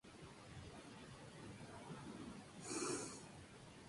El diplomático y profesor de relaciones internacionales Kazuhiko Tōgō es su nieto.